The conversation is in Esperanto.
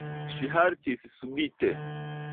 Ŝi haltis subite.